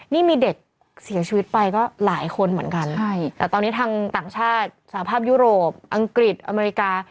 นี่มีเด็กเสียชีวิตไปก็หลายคนเหมือนกันแต่ตอนนี้ทางต่างชาติสหภาพยุโรปอังกฤษอเมริกา